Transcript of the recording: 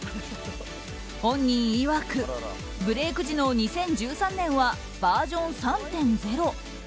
本人いわく、ブレーク時の２０１３年はバージョン３．０。